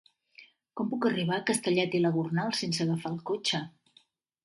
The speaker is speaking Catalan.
Com puc arribar a Castellet i la Gornal sense agafar el cotxe?